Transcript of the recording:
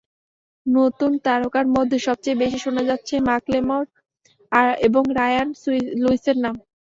নতুন তারকার মধ্যে সবচেয়ে বেশি শোনা যাচ্ছে মাকলেমোর এবং রায়ান লুইসের নাম।